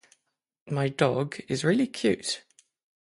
My dog is really cute